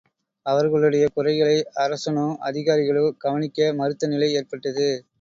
அவர்களுடைய குறைகளை அரசனோ, அதிகாரிகளோ கவனிக்க மறுத்த நிலை ஏற்பட்டது.